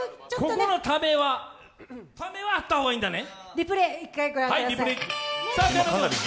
ここのためはあった方がいいんだね？